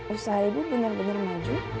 usaha ibu benar benar maju